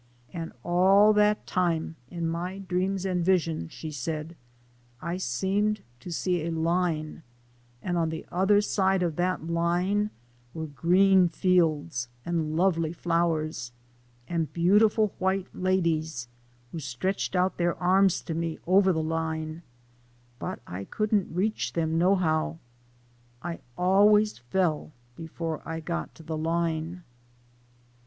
"And all that time, in my dreams and visions," she said, " I seemed to see a line, and on the other side of that line were green fields, and lovely flowers, and beautiful white ladies, who stretched out their arms to me over the line, but I couldn't reach them no how. I always fell before I got to the line."